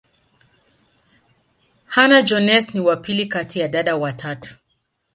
Hannah-Jones ni wa pili kati ya dada watatu.